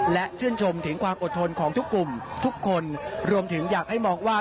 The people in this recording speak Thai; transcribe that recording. และชื่นชมถึงความอดทนของทุกกลุ่มทุกคนรวมถึงอยากให้มองว่า